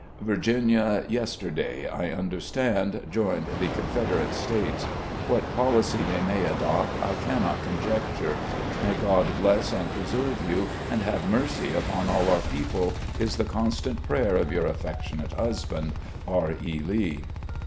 Virginia, yesterday, I understand, joined the Confederate States. What policy they may adopt I cannot conjecture. May God bless and preserve you, and have mercy upon all our people, is the constant prayer of your affectionate husband, "R. E. Lee."